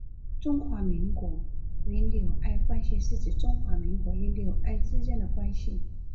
中华民国与纽埃关系是指中华民国与纽埃之间的关系。